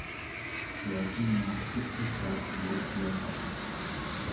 سیاسی منافقت کے خلاف ووٹ دیا ہے۔